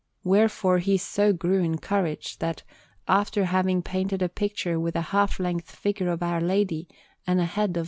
Wherefore he so grew in courage, that, after having painted a picture with a half length figure of Our Lady and a head of S.